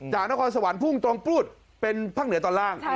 จากนครสวรรค์ภูมิตรงปูศเป็นภาคเหนือตอนล่าง